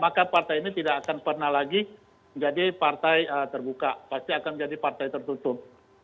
maka partai ini tidak akan pernah lagi menjadi partai terbuka pasti akan menjadi partai tertutup